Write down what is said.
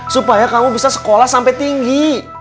supaya kamu bisa sekolah sampai tinggi